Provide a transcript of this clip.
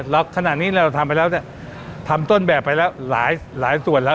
เราขนาดนี้เนี้ยเราทำไปแล้วเนี้ยทำต้นแบบไปแล้วหลายหลายส่วนแล้ว